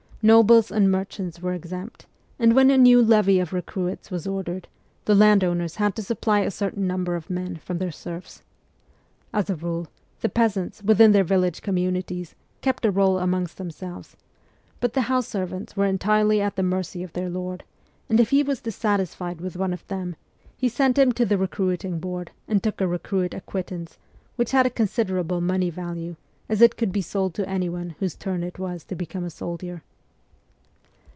Nobles and mer chants were exempt, and when a new levy of recruits was ordered, the landowners had to supply a certain number of men from their serfs. As a rule, the peasants, within their village communities, kept a roll amongst themselves ; but the house servants were entirely at the mercy of their lord, and if he was dissatisfied with one of them, he sent him to the recruiting board and took a recruit acquittance, which had a considerable money value, as it could be sold to anyone whose turn it was to become a soldier.